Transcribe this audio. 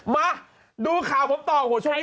มาดูข่าวพบต่อของช่วงนี้